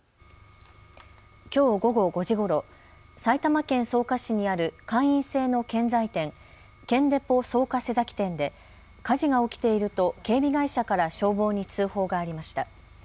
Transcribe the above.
きょう午後５時ごろ、埼玉県草加市にある会員制の建材店、建デポ草加瀬崎店で火事が起きていると警備会社から消防に通報がありました。